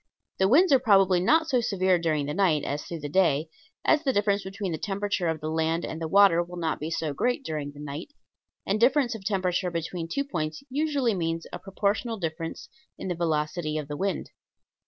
The winds are probably not so severe during the night as through the day, as the difference between the temperature of the land and the water will not be so great during the night; and difference of temperature between two points usually means a proportional difference in the velocity of the wind.